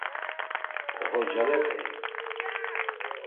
Oxorcalepei?